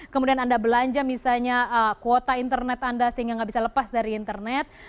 kemudian anda belanja misalnya kuota internet anda sehingga nggak bisa lepas dari internet